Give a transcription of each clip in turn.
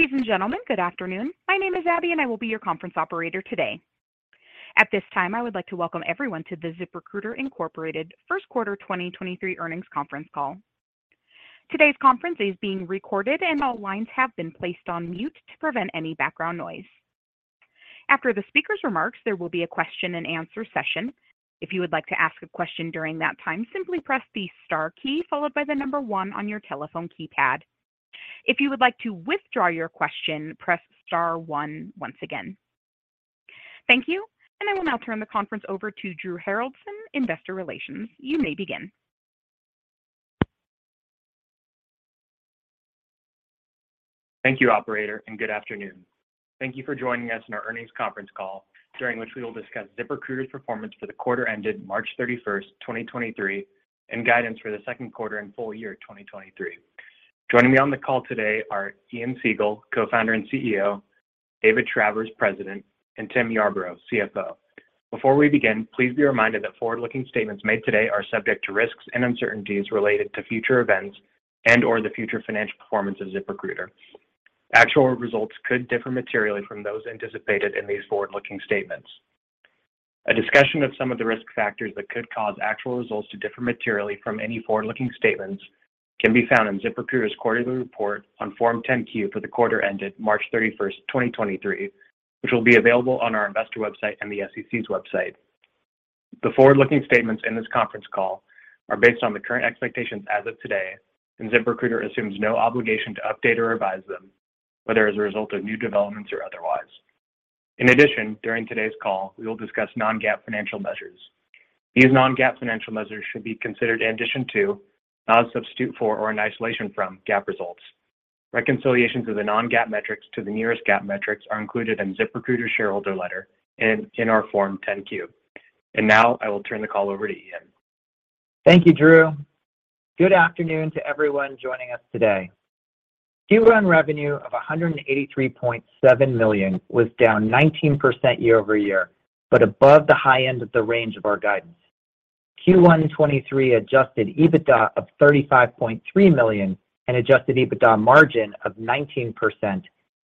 Ladies and gentlemen, good afternoon. My name is Abby. I will be your conference operator today. At this time, I would like to welcome everyone to the ZipRecruiter, Inc. First Quarter 2023 Earnings Conference Call. Today's conference is being recorded. All lines have been placed on mute to prevent any background noise. After the speaker's remarks, there will be a question and answer session. If you would like to ask a question during that time, simply press the star key followed by the 1 on your telephone keypad. If you would like to withdraw your question, press star one once again. Thank you. I will now turn the conference over to Drew Haroldson, Investor Relations. You may begin. Thank you, Operator. Good afternoon. Thank you for joining us in our earnings conference call, during which we will discuss ZipRecruiter's performance for the quarter ended March 31st, 2023, and guidance for the second quarter and full year 2023. Joining me on the call today are Ian Siegel, Co-Founder and CEO, David Travers, President, and Tim Yarbrough, CFO. Before we begin, please be reminded that forward-looking statements made today are subject to risks and uncertainties related to future events and/or the future financial performance of ZipRecruiter. Actual results could differ materially from those anticipated in these forward-looking statements. A discussion of some of the risk factors that could cause actual results to differ materially from any forward-looking statements can be found in ZipRecruiter's quarterly report on Form 10-Q for the quarter ended March 31st, 2023, which will be available on our investor website and the SEC's website. The forward-looking statements in this conference call are based on the current expectations as of today, and ZipRecruiter assumes no obligation to update or revise them, whether as a result of new developments or otherwise. In addition, during today's call, we will discuss non-GAAP financial measures. These non-GAAP financial measures should be considered in addition to, not a substitute for, or in isolation from GAAP results. Reconciliations of the non-GAAP metrics to the nearest GAAP metrics are included in ZipRecruiter's shareholder letter in our Form 10-Q. Now I will turn the call over to Ian. Thank you, Drew. Good afternoon to everyone joining us today. Q1 revenue of $183.7 million was down 19% year-over-year, but above the high end of the range of our guidance. Q1 2023 adjusted EBITDA of $35.3 million and adjusted EBITDA margin of 19%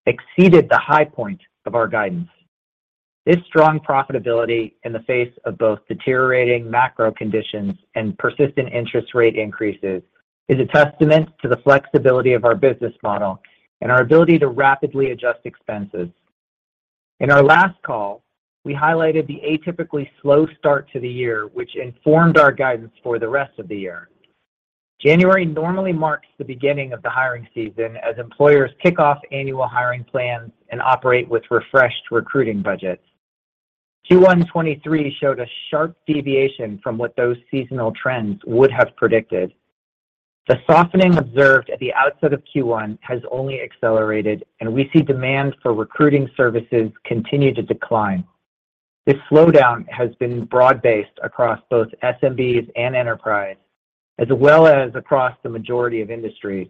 exceeded the high point of our guidance. This strong profitability in the face of both deteriorating macro conditions and persistent interest rate increases is a testament to the flexibility of our business model and our ability to rapidly adjust expenses. In our last call, we highlighted the atypically slow start to the year, which informed our guidance for the rest of the year. January normally marks the beginning of the hiring season as employers kick off annual hiring plans and operate with refreshed recruiting budgets. Q1 2023 showed a sharp deviation from what those seasonal trends would have predicted. The softening observed at the outset of Q1 has only accelerated. We see demand for recruiting services continue to decline. This slowdown has been broad-based across both SMBs and enterprise, as well as across the majority of industries.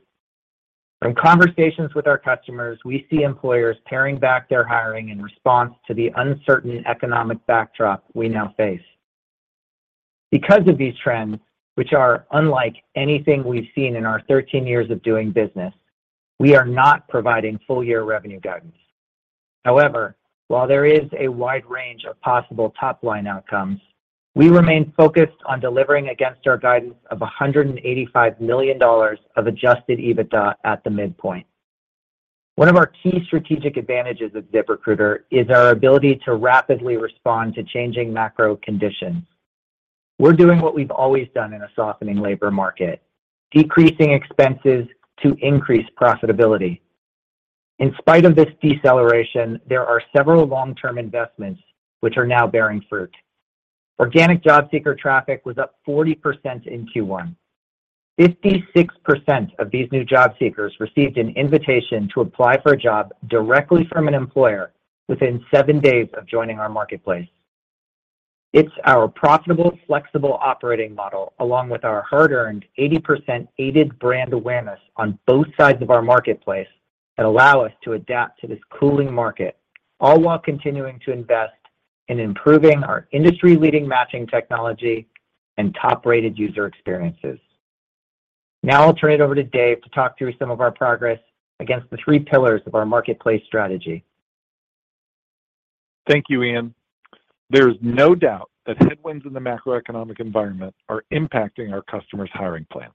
From conversations with our customers, we see employers paring back their hiring in response to the uncertain economic backdrop we now face. Because of these trends, which are unlike anything we've seen in our 13 years of doing business, we are not providing full-year revenue guidance. However, while there is a wide range of possible top-line outcomes, we remain focused on delivering against our guidance of $185 million of adjusted EBITDA at the midpoint. One of our key strategic advantages of ZipRecruiter is our ability to rapidly respond to changing macro conditions. We're doing what we've always done in a softening labor market: decreasing expenses to increase profitability. In spite of this deceleration, there are several long-term investments which are now bearing fruit. Organic job seeker traffic was up 40% in Q1. 56% of these new job seekers received an Invite to Apply for a job directly from an employer within 7 days of joining our marketplace. It's our profitable, flexible operating model, along with our hard-earned 80% aided brand awareness on both sides of our marketplace that allow us to adapt to this cooling market, all while continuing to invest in improving our industry-leading matching technology and top-rated user experiences. Now I'll turn it over to Dave to talk through some of our progress against the three pillars of our marketplace strategy. Thank you, Ian. There is no doubt that headwinds in the macroeconomic environment are impacting our customers' hiring plans.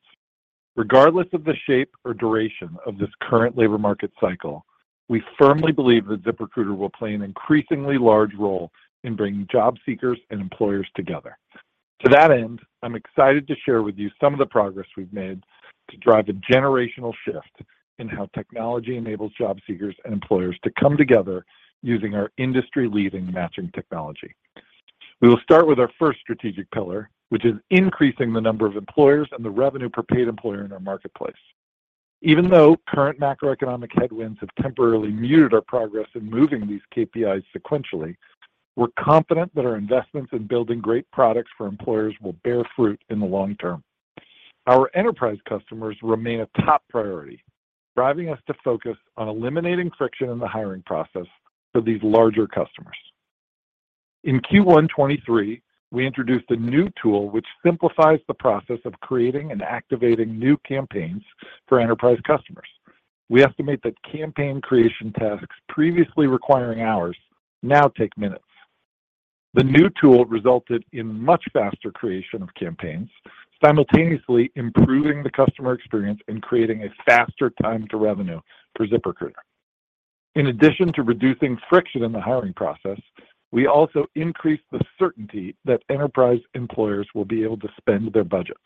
Regardless of the shape or duration of this current labor market cycle, we firmly believe that ZipRecruiter will play an increasingly large role in bringing job seekers and employers together. To that end, I'm excited to share with you some of the progress we've made to drive a generational shift in how technology enables job seekers and employers to come together using our industry-leading matching technology. We will start with our first strategic pillar, which is increasing the number of employers and the Revenue per Paid Employer in our marketplace. Even though current macroeconomic headwinds have temporarily muted our progress in moving these KPIs sequentially, we're confident that our investments in building great products for employers will bear fruit in the long term. Our enterprise customers remain a top priority, driving us to focus on eliminating friction in the hiring process for these larger customers. In Q1 '23, we introduced a new tool which simplifies the process of creating and activating new campaigns for enterprise customers. We estimate that campaign creation tasks previously requiring hours now take minutes. The new tool resulted in much faster creation of campaigns, simultaneously improving the customer experience and creating a faster time to revenue for ZipRecruiter. In addition to reducing friction in the hiring process, we also increased the certainty that enterprise employers will be able to spend their budgets.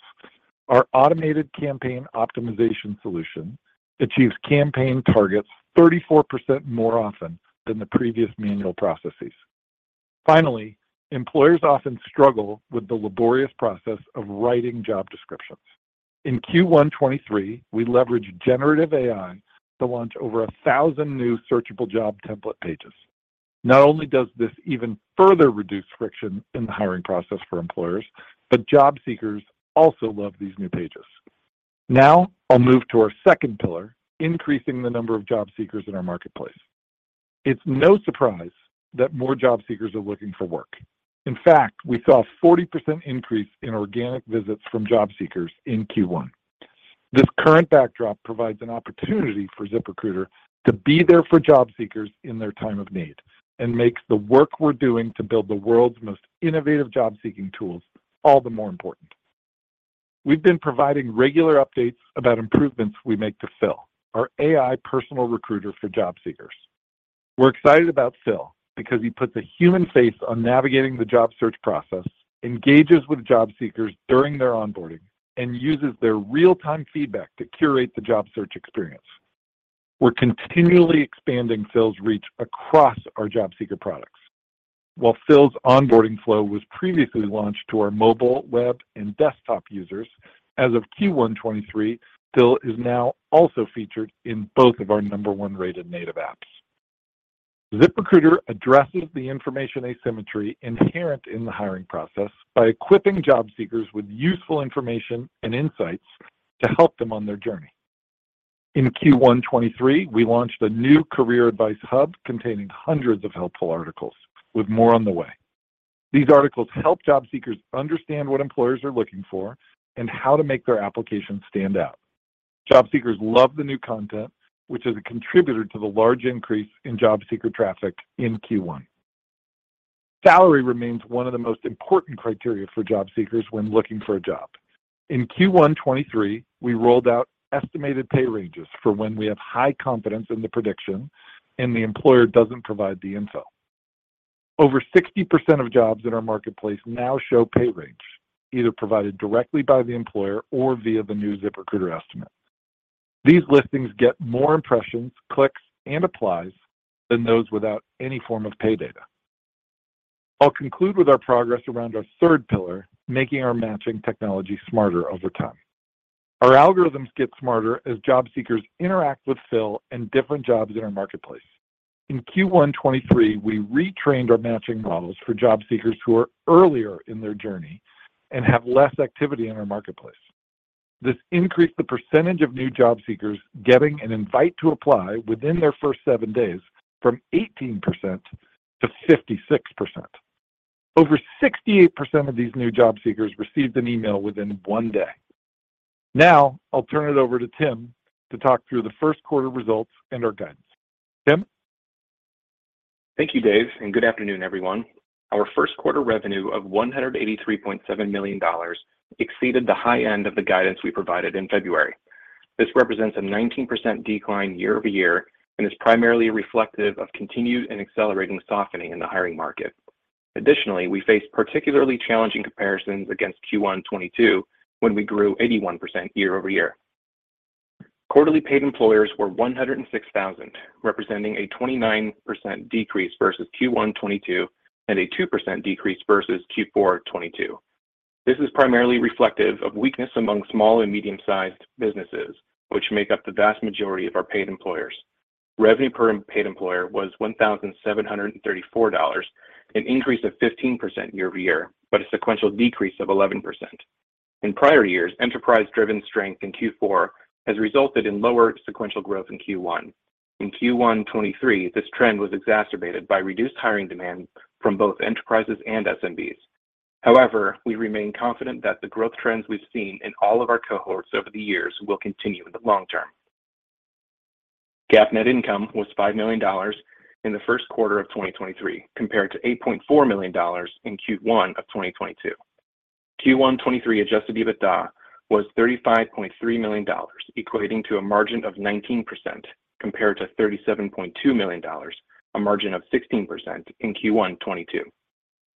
Our automated campaign optimization solution achieves campaign targets 34% more often than the previous manual processes. Finally, employers often struggle with the laborious process of writing job descriptions. In Q1 '23, we leveraged generative AI to launch over 1,000 new searchable job template pages. Not only does this even further reduce friction in the hiring process for employers, but job seekers also love these new pages. Now I'll move to our second pillar, increasing the number of job seekers in our marketplace. It's no surprise that more job seekers are looking for work. In fact, we saw a 40% increase in organic visits from job seekers in Q1. This current backdrop provides an opportunity for ZipRecruiter to be there for job seekers in their time of need and makes the work we're doing to build the world's most innovative job-seeking tools all the more important. We've been providing regular updates about improvements we make to Phil, our AI personal recruiter for job seekers. We're excited about Phil because he puts a human face on navigating the job search process, engages with job seekers during their onboarding, and uses their real-time feedback to curate the job search experience. We're continually expanding Phil's reach across our job seeker products. While Phil's onboarding flow was previously launched to our mobile, web, and desktop users, as of Q1 '23, Phil is now also featured in both of our number one-rated native apps. ZipRecruiter addresses the information asymmetry inherent in the hiring process by equipping job seekers with useful information and insights to help them on their journey. In Q1 '23, we launched a new career advice hub containing hundreds of helpful articles, with more on the way. These articles help job seekers understand what employers are looking for and how to make their application stand out. Job seekers love the new content, which is a contributor to the large increase in job seeker traffic in Q1. Salary remains one of the most important criteria for job seekers when looking for a job. In Q1 2023, we rolled out estimated pay ranges for when we have high confidence in the prediction and the employer doesn't provide the info. Over 60% of jobs in our marketplace now show pay range, either provided directly by the employer or via the new ZipRecruiter estimate. These listings get more impressions, clicks, and applies than those without any form of pay data. I'll conclude with our progress around our third pillar, making our matching technology smarter over time. Our algorithms get smarter as job seekers interact with Phil and different jobs in our marketplace. In Q1 '23, we retrained our matching models for job seekers who are earlier in their journey and have less activity in our marketplace. This increased the percentage of new job seekers getting an Invite to Apply within their first seven days from 18% to 56%. Over 68% of these new job seekers received an email within one day. Now I'll turn it over to Tim to talk through the first quarter results and our guidance. Tim? Thank you, Dave, good afternoon, everyone. Our first quarter revenue of $183.7 million exceeded the high end of the guidance we provided in February. This represents a 19% decline year-over-year and is primarily reflective of continued and accelerating softening in the hiring market. Additionally, we face particularly challenging comparisons against Q1 '22 when we grew 81% year-over-year. Quarterly paid employers were 106,000, representing a 29% decrease versus Q1 '22 and a 2% decrease versus Q4 '22. This is primarily reflective of weakness among small and medium-sized businesses, which make up the vast majority of our paid employers. Revenue per paid employer was $1,734, an increase of 15% year-over-year, but a sequential decrease of 11%. In prior years, enterprise-driven strength in Q4 has resulted in lower sequential growth in Q1. In Q1 '23, this trend was exacerbated by reduced hiring demand from both enterprises and SMBs. We remain confident that the growth trends we've seen in all of our cohorts over the years will continue in the long term. GAAP net income was $5 million in the first quarter of 2023, compared to $8.4 million in Q1 of 2022. Q1 '23 adjusted EBITDA was $35.3 million, equating to a margin of 19% compared to $37.2 million, a margin of 16% in Q1 '22.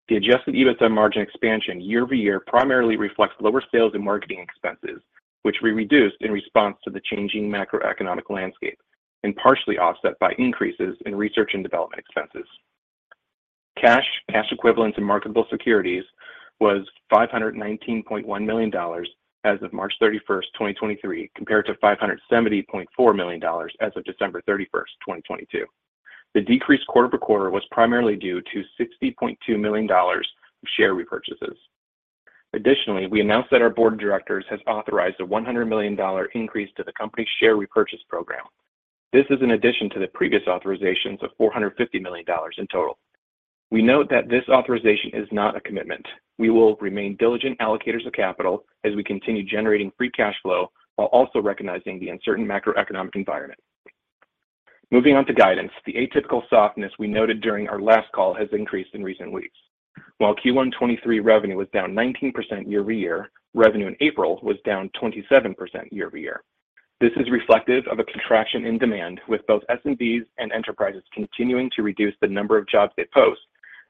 The adjusted EBITDA margin expansion year-over-year primarily reflects lower sales and marketing expenses, which we reduced in response to the changing macroeconomic landscape and partially offset by increases in research and development expenses. Cash, cash equivalents, and marketable securities was $519.1 million as of March 31, 2023, compared to $570.4 million as of December 31, 2022. The decrease quarter-over-quarter was primarily due to $60.2 million of share repurchases. Additionally, we announced that our board of directors has authorized a $100 million increase to the company's share repurchase program. This is in addition to the previous authorizations of $450 million in total. We note that this authorization is not a commitment. We will remain diligent allocators of capital as we continue generating free cash flow while also recognizing the uncertain macroeconomic environment. Moving on to guidance. The atypical softness we noted during our last call has increased in recent weeks. While Q1 2023 revenue was down 19% year-over-year, revenue in April was down 27% year-over-year. This is reflective of a contraction in demand, with both SMBs and enterprises continuing to reduce the number of jobs they post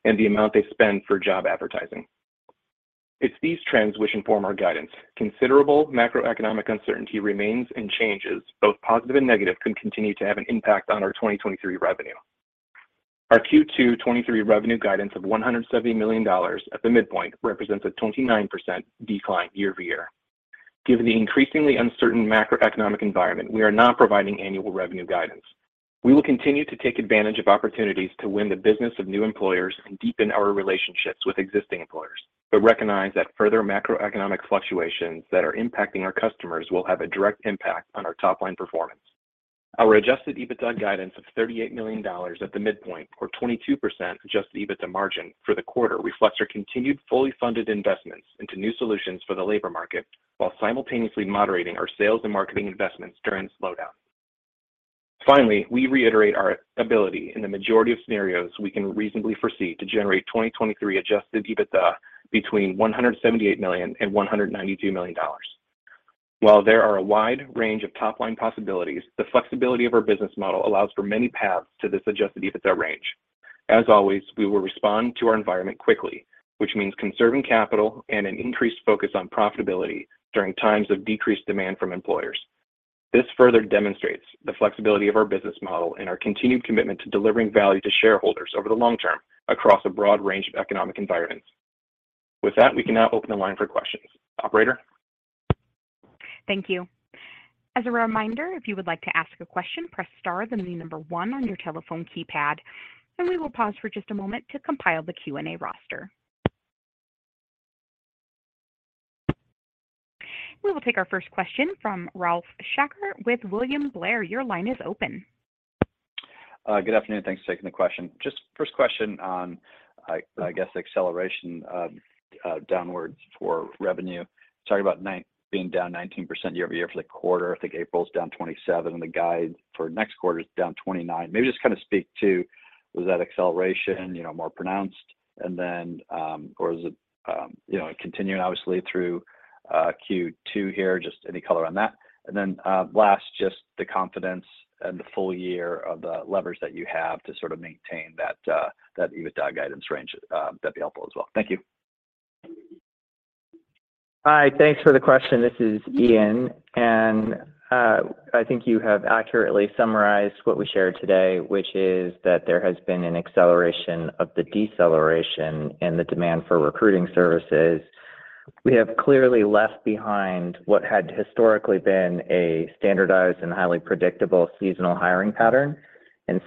and the amount they spend for job advertising. It's these trends which inform our guidance. Considerable macroeconomic uncertainty remains. Changes, both positive and negative, could continue to have an impact on our 2023 revenue. Our Q2 2023 revenue guidance of $170 million at the midpoint represents a 29% decline year-over-year. Given the increasingly uncertain macroeconomic environment, we are not providing annual revenue guidance. We will continue to take advantage of opportunities to win the business of new employers and deepen our relationships with existing employers. Recognize that further macroeconomic fluctuations that are impacting our customers will have a direct impact on our top-line performance. Our adjusted EBITDA guidance of $38 million at the midpoint or 22% adjusted EBITDA margin for the quarter reflects our continued fully funded investments into new solutions for the labor market while simultaneously moderating our sales and marketing investments during the slowdown. We reiterate our ability in the majority of scenarios we can reasonably foresee to generate 2023 adjusted EBITDA between $178 million and $192 million. There are a wide range of top-line possibilities, the flexibility of our business model allows for many paths to this adjusted EBITDA range. As always, we will respond to our environment quickly, which means conserving capital and an increased focus on profitability during times of decreased demand from employers. This further demonstrates the flexibility of our business model and our continued commitment to delivering value to shareholders over the long term across a broad range of economic environments. With that, we can now open the line for questions. Operator? Thank you. As a reminder, if you would like to ask a question, press star, then the 1 on your telephone keypad. We will pause for just a moment to compile the Q&A roster. We will take our first question from Ralph Schackart with William Blair. Your line is open. Good afternoon. Thanks for taking the question. Just first question on, I guess the acceleration downwards for revenue. Sorry about being down 19% year-over-year for the quarter. I think April's down 27%, and the guide for next quarter is down 29%. Maybe just kind of speak to was that acceleration, you know, more pronounced? Is it, you know, continuing obviously through Q2 here, just any color on that? Last, just the confidence and the full year of the levers that you have to sort of maintain that EBITDA guidance range. That'd be helpful as well. Thank you. Hi. Thanks for the question. This is Ian. I think you have accurately summarized what we shared today, which is that there has been an acceleration of the deceleration in the demand for recruiting services. We have clearly left behind what had historically been a standardized and highly predictable seasonal hiring pattern.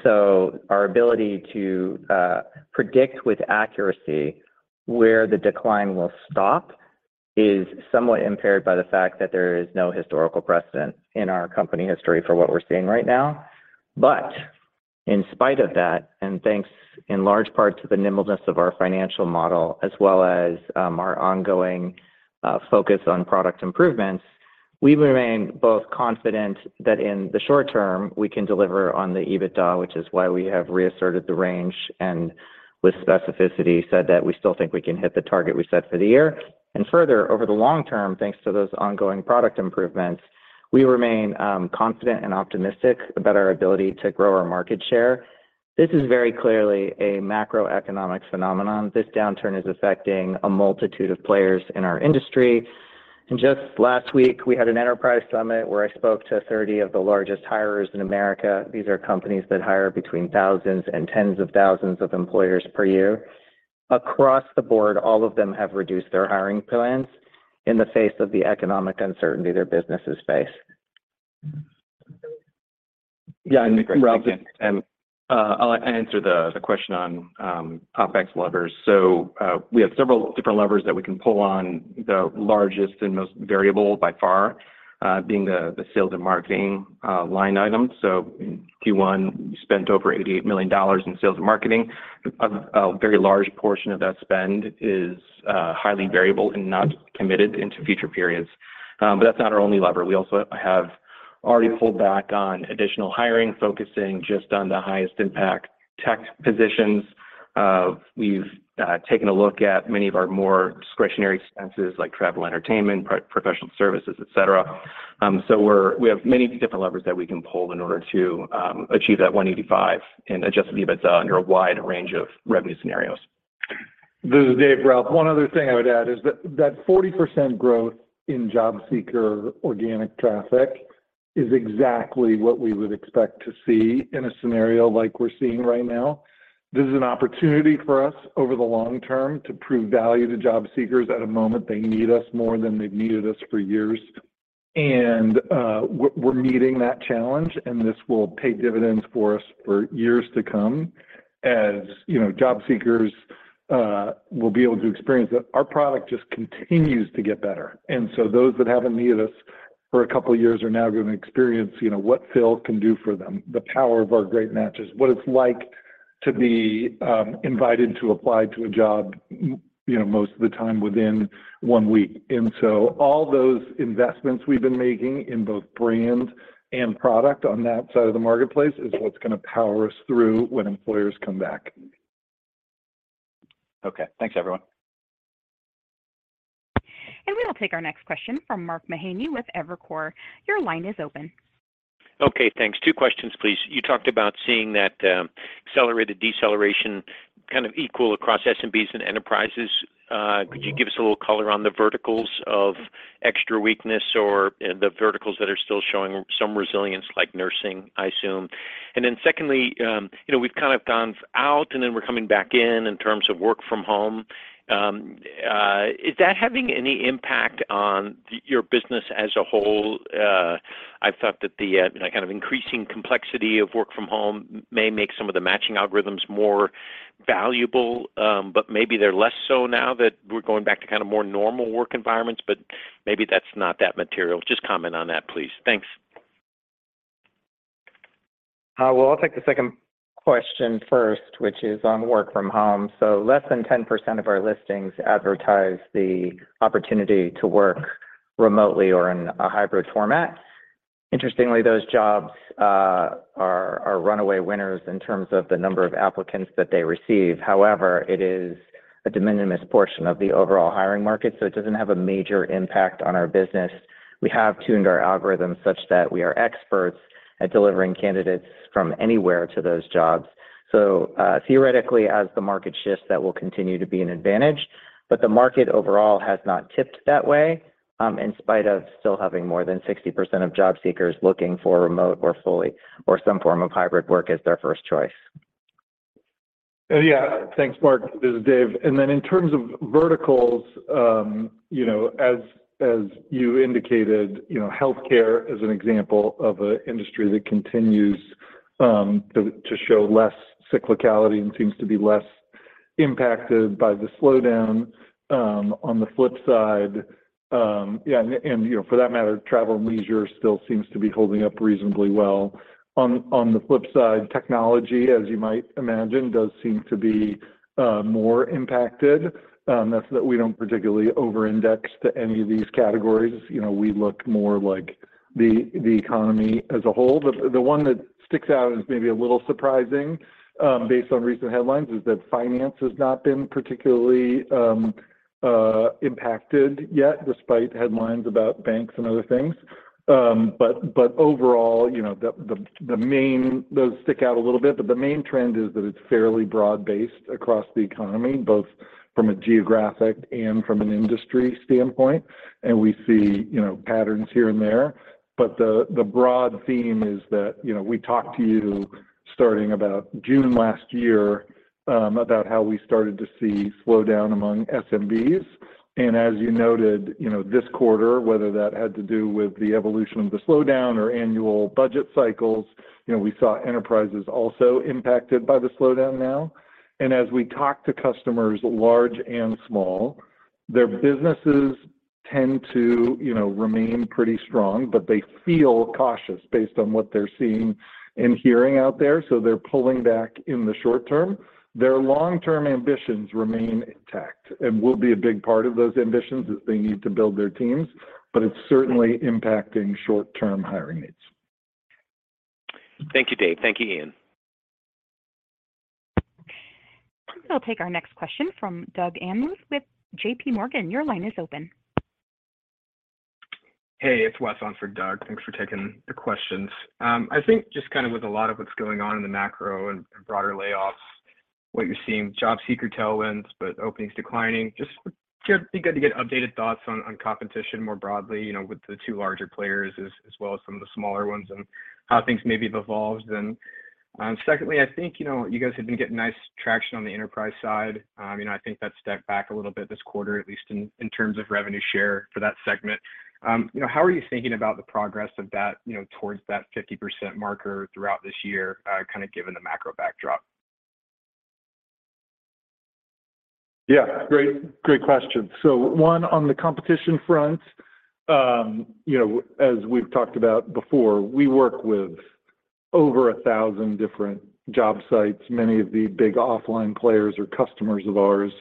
So our ability to predict with accuracy where the decline will stop is somewhat impaired by the fact that there is no historical precedent in our company history for what we're seeing right now. In spite of that, and thanks in large part to the nimbleness of our financial model as well as, our ongoing focus on product improvements, we remain both confident that in the short term, we can deliver on the EBITDA, which is why we have reasserted the range and with specificity said that we still think we can hit the target we set for the year. Further, over the long term, thanks to those ongoing product improvements, we remain confident and optimistic about our ability to grow our market share. This is very clearly a macroeconomic phenomenon. This downturn is affecting a multitude of players in our industry. Just last week, we had an enterprise summit where I spoke to 30 of the largest hirers in America. These are companies that hire between thousands and tens of thousands of employers per year. Across the board, all of them have reduced their hiring plans in the face of the economic uncertainty their businesses face. Yeah, Ralph. I'll answer the question on OpEx levers. We have several different levers that we can pull on. The largest and most variable by far, being the sales and marketing line item. In Q1, we spent over $88 million in sales and marketing. A very large portion of that spend is highly variable and not committed into future periods. But that's not our only lever. We also have already pulled back on additional hiring, focusing just on the highest impact tech positions. We've taken a look at many of our more discretionary expenses like travel, entertainment, professional services, et cetera. We're... we have many different levers that we can pull in order to achieve that $185 in adjusted EBITDA under a wide range of revenue scenarios. This is Dave, Ralph. One other thing I would add is that 40% growth in job seeker organic traffic is exactly what we would expect to see in a scenario like we're seeing right now. This is an opportunity for us over the long term to prove value to job seekers at a moment they need us more than they've needed us for years. We're meeting that challenge, and this will pay dividends for us for years to come as, you know, job seekers will be able to experience that our product just continues to get better. Those that haven't needed us for a couple years are now gonna experience, you know, what Phil can do for them, the power of our great matches, what it's like to be invited to apply to a job, you know, most of the time within one week. All those investments we've been making in both brand and product on that side of the marketplace is what's gonna power us through when employers come back. Okay. Thanks, everyone. We'll take our next question from Mark Mahaney with Evercore. Your line is open. Okay. Thanks. 2 questions, please. You talked about seeing that accelerated deceleration kind of equal across SMBs and enterprises. Could you give us a little color on the verticals of extra weakness or the verticals that are still showing some resilience like nursing, I assume? Secondly, you know, we've kind of gone out, and then we're coming back in in terms of work from home. Is that having any impact on your business as a whole? I thought that the kind of increasing complexity of work from home may make some of the matching algorithms more valuable, but maybe they're less so now that we're going back to kind of more normal work environments, but maybe that's not that material. Just comment on that, please. Thanks. Well, I'll take the second question first, which is on work from home. Less than 10% of our listings advertise the opportunity to work remotely or in a hybrid format. Interestingly, those jobs are runaway winners in terms of the number of applicants that they receive. However, it is a de minimis portion of the overall hiring market, so it doesn't have a major impact on our business. We have tuned our algorithms such that we are experts at delivering candidates from anywhere to those jobs. Theoretically, as the market shifts, that will continue to be an advantage. The market overall has not tipped that way, in spite of still having more than 60% of job seekers looking for remote or fully or some form of hybrid work as their first choice. Yeah. Thanks, Mark. This is Dave. In terms of verticals, you know, as you indicated, you know, healthcare is an example of an industry that continues to show less cyclicality and seems to be less impacted by the slowdown on the flip side. Yeah, and, you know, for that matter, travel and leisure still seems to be holding up reasonably well. On the flip side, technology, as you might imagine, does seem to be more impacted. That we don't particularly over-index to any of these categories. You know, we look more like the economy as a whole. The one that sticks out is maybe a little surprising, based on recent headlines, is that finance has not been particularly impacted yet despite headlines about banks and other things. Overall, you know, the main... Those stick out a little bit, but the main trend is that it's fairly broad-based across the economy, both from a geographic and from an industry standpoint. We see, you know, patterns here and there. The broad theme is that, you know, we talked to you starting about June last year about how we started to see slowdown among SMBs. As you noted, you know, this quarter, whether that had to do with the evolution of the slowdown or annual budget cycles, you know, we saw enterprises also impacted by the slowdown now. As we talk to customers large and small, their businesses tend to, you know, remain pretty strong, but they feel cautious based on what they're seeing and hearing out there, so they're pulling back in the short term. Their long-term ambitions remain intact and will be a big part of those ambitions as they need to build their teams, but it's certainly impacting short-term hiring needs. Thank you, Dave. Thank you, Ian. I'll take our next question from Doug Anmuth with JP Morgan. Your line is open. Hey, it's Wes on for Doug. Thanks for taking the questions. I think just kind of with a lot of what's going on in the macro and broader layoffs, what you're seeing, job seeker tailwinds, but openings declining, just be good to get updated thoughts on competition more broadly, you know, with the two larger players as well as some of the smaller ones and how things maybe have evolved. Secondly, I think, you know, you guys have been getting nice traction on the enterprise side. You know, I think that stepped back a little bit this quarter, at least in terms of revenue share for that segment. You know, how are you thinking about the progress of that, you know, towards that 50% marker throughout this year, kind of given the macro backdrop? Yeah. Great question. One, on the competition front, you know, as we've talked about before, we work with over 1,000 different job sites. Many of the big offline players are customers of ours.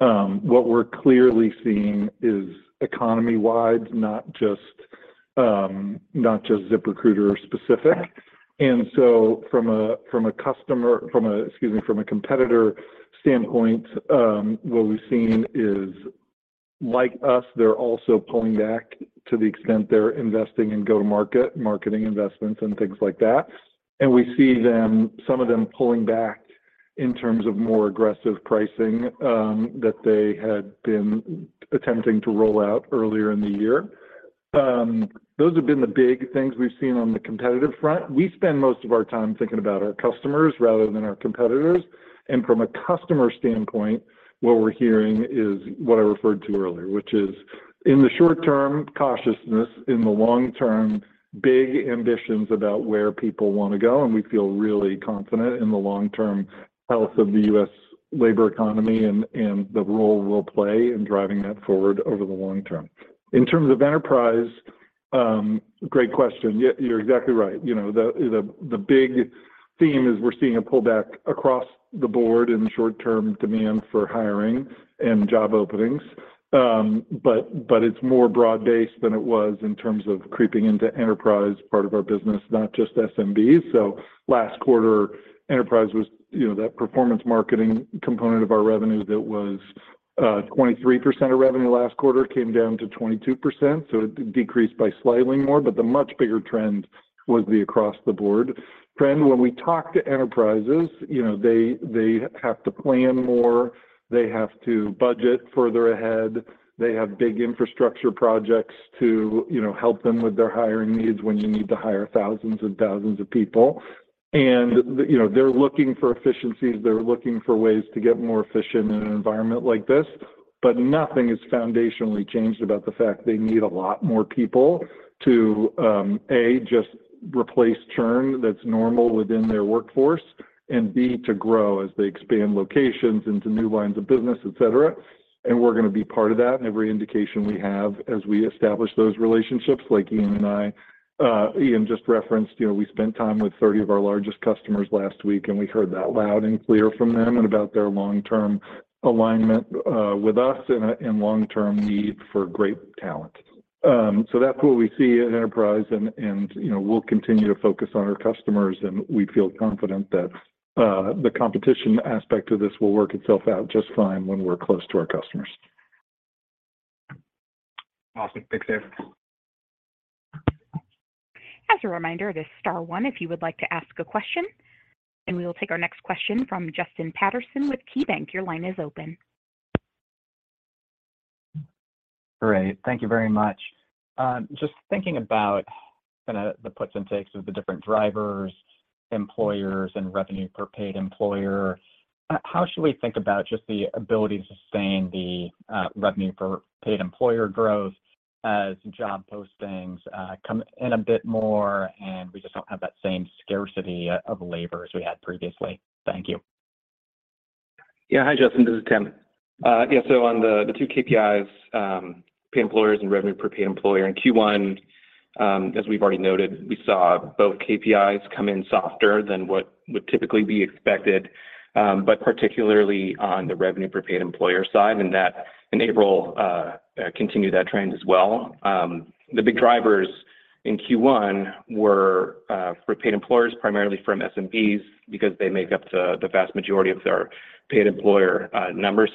What we're clearly seeing is economy-wide, not just not just ZipRecruiter specific. From a competitor standpoint, what we've seen is, like us, they're also pulling back to the extent they're investing in go-to-market, marketing investments and things like that. We see them, some of them pulling back. In terms of more aggressive pricing, that they had been attempting to roll out earlier in the year. Those have been the big things we've seen on the competitive front. We spend most of our time thinking about our customers rather than our competitors. From a customer standpoint, what we're hearing is what I referred to earlier, which is in the short term, cautiousness. In the long term, big ambitions about where people wanna go, and we feel really confident in the long-term health of the US labor economy and the role we'll play in driving that forward over the long term. In terms of enterprise, great question. You're exactly right. You know, the big theme is we're seeing a pullback across the board in short-term demand for hiring and job openings. It's more broad-based than it was in terms of creeping into enterprise part of our business, not just SMB. Last quarter, enterprise was, you know, that performance marketing component of our revenue that was 23% of revenue last quarter, came down to 22%, so it decreased by slightly more. The much bigger trend was the across-the-board trend. When we talk to enterprises, you know, they have to plan more, they have to budget further ahead. They have big infrastructure projects to, you know, help them with their hiring needs when you need to hire thousands and thousands of people. And you know, they're looking for efficiencies, they're looking for ways to get more efficient in an environment like this. Nothing has foundationally changed about the fact they need a lot more people to, A, just replace churn that's normal within their workforce, and B, to grow as they expand locations into new lines of business, et cetera. We're gonna be part of that. Every indication we have as we establish those relationships, like Ian just referenced, you know, we spent time with 30 of our largest customers last week, and we heard that loud and clear from them and about their long-term alignment with us and long-term need for great talent. That's what we see at enterprise and, you know, we'll continue to focus on our customers, and we feel confident that the competition aspect of this will work itself out just fine when we're close to our customers. Awesome. Thanks, Dave. As a reminder, this star one if you would like to ask a question. We will take our next question from Justin Patterson with KeyBank. Your line is open. Great. Thank you very much. Just thinking about kinda the puts and takes of the different drivers, employers, and Revenue per Paid Employer, how should we think about just the ability to sustain the Revenue per Paid Employer growth as job postings come in a bit more, and we just don't have that same scarcity of labor as we had previously? Thank you. Yeah. Hi, Justin. This is Tim. On the 2 KPIs, Paid Employers and Revenue per Paid Employer, in Q1, as we've already noted, we saw both KPIs come in softer than what would typically be expected, particularly on the Revenue per Paid Employer side. That in April continued that trend as well. The big drivers in Q1 were for paid employers, primarily from SMBs because they make up to the vast majority of our paid employer numbers.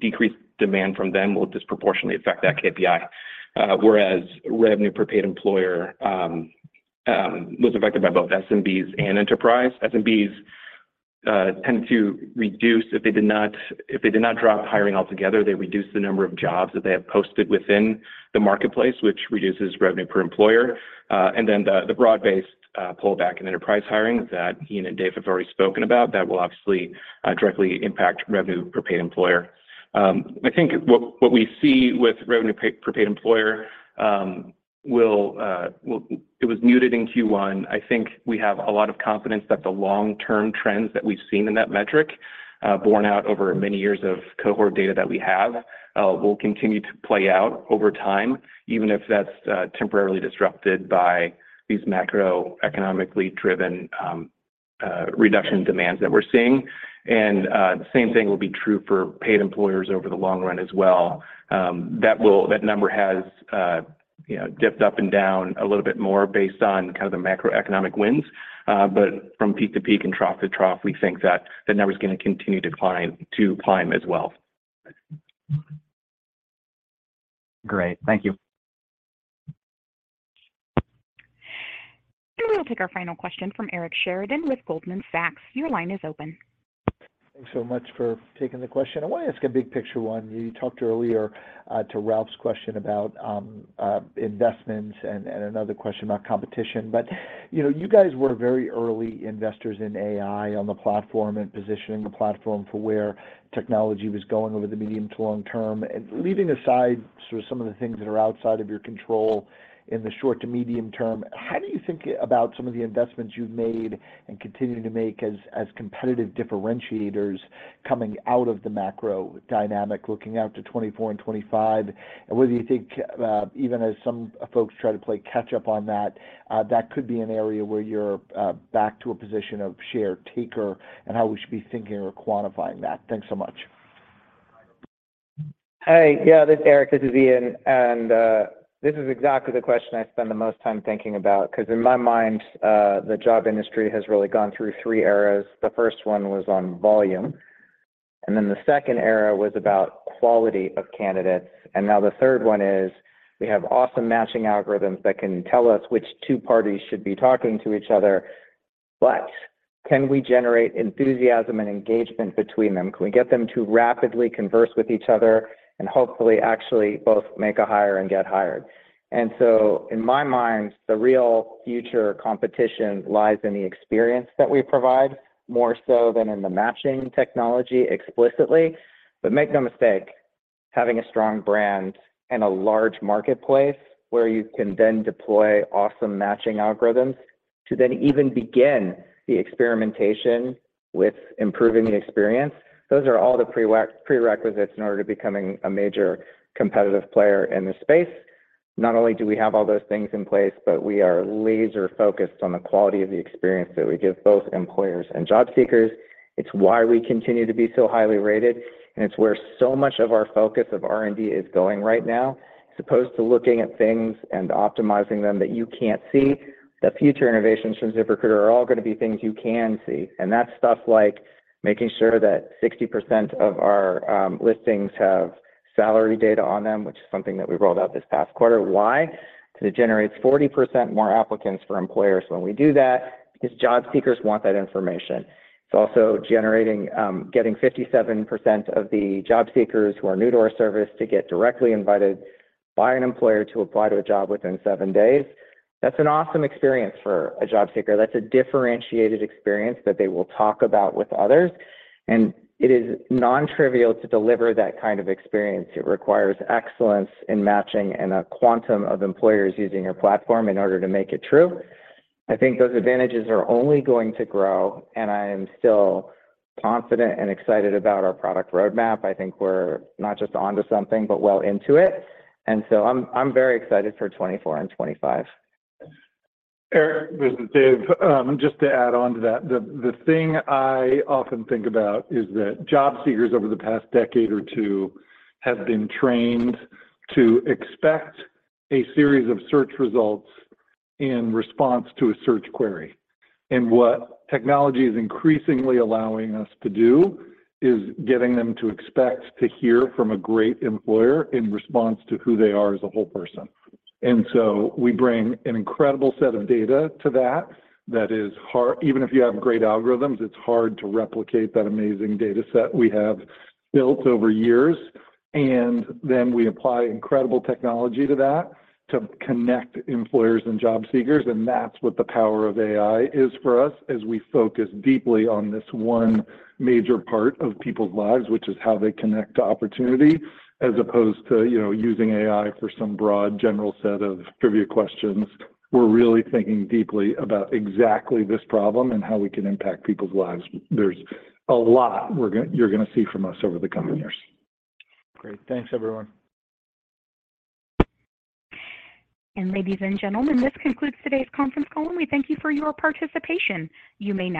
Decreased demand from them will disproportionately affect that KPI, whereas Revenue per Paid Employer was affected by both SMBs and enterprise. SMBs, if they did not drop hiring altogether, they reduced the number of jobs that they have posted within the marketplace, which reduces revenue per employer. The broad-based pullback in enterprise hiring that Ian and David have already spoken about, that will obviously directly impact Revenue per Paid Employer. I think what we see with Revenue per Paid Employer, it was muted in Q1. I think we have a lot of confidence that the long-term trends that we've seen in that metric, borne out over many years of cohort data that we have, will continue to play out over time, even if that's temporarily disrupted by these macroeconomically driven reduction demands that we're seeing. The same thing will be true for Paid Employers over the long run as well. That number has, you know, dipped up and down a little bit more based on kind of the macroeconomic winds. From peak to peak and trough to trough, we think that that number's gonna continue to climb as well. Great. Thank you. We'll take our final question from Eric Sheridan with Goldman Sachs. Your line is open. Thanks so much for taking the question. I wanna ask a big picture one. You talked earlier to Ralph's question about investments and another question about competition. You know, you guys were very early investors in AI on the platform and positioning the platform for where technology was going over the medium to long term. Leaving aside sort of some of the things that are outside of your control in the short to medium term, how do you think about some of the investments you've made and continue to make as competitive differentiators coming out of the macro dynamic, looking out to 2024 and 2025? Whether you think, even as some folks try to play catch up on that could be an area where you're back to a position of share taker and how we should be thinking or quantifying that? Thanks so much. Hey. Yeah, this Eric, this is Ian. This is exactly the question I spend the most time thinking about, 'cause in my mind, the job industry has really gone through three eras. The first one was on volume. The second era was about quality of candidates. Now the third one is we have awesome matching algorithms that can tell us which two parties should be talking to each other, but can we generate enthusiasm and engagement between them? Can we get them to rapidly converse with each other and hopefully actually both make a hire and get hired? In my mind, the real future competition lies in the experience that we provide, more so than in the matching technology explicitly. Make no mistake, having a strong brand and a large marketplace where you can then deploy awesome matching algorithms to then even begin the experimentation with improving the experience, those are all the prerequisites in order to becoming a major competitive player in this space. Not only do we have all those things in place, but we are laser-focused on the quality of the experience that we give both employers and job seekers. It's why we continue to be so highly rated, and it's where so much of our focus of R&D is going right now. As opposed to looking at things and optimizing them that you can't see, the future innovations from ZipRecruiter are all gonna be things you can see. That's stuff like making sure that 60% of our listings have salary data on them, which is something that we rolled out this past quarter. Why? 'Cause it generates 40% more applicants for employers when we do that because job seekers want that information. It's also generating, getting 57% of the job seekers who are new to our service to get directly invited by an employer to apply to a job within 7 days. That's an awesome experience for a job seeker. That's a differentiated experience that they will talk about with others, and it is non-trivial to deliver that kind of experience. It requires excellence in matching and a quantum of employers using our platform in order to make it true. I think those advantages are only going to grow, and I am still confident and excited about our product roadmap. I think we're not just onto something, but well into it. I'm very excited for 2024 and 2025. Eric, this is Dave. Just to add on to that, the thing I often think about is that job seekers over the past decade or two have been trained to expect a series of search results in response to a search query. What technology is increasingly allowing us to do is getting them to expect to hear from a great employer in response to who they are as a whole person. So we bring an incredible set of data to that is even if you have great algorithms, it's hard to replicate that amazing data set we have built over years. We apply incredible technology to that to connect employers and job seekers, and that's what the power of AI is for us as we focus deeply on this one major part of people's lives, which is how they connect to opportunity, as opposed to, you know, using AI for some broad general set of trivia questions. We're really thinking deeply about exactly this problem and how we can impact people's lives. There's a lot you're gonna see from us over the coming years. Great. Thanks everyone. Ladies and gentlemen, this concludes today's conference call, and we thank you for your participation. You may now.